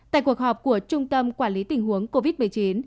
tại cuộc họp của trung tâm quản lý tình huống covid một mươi chín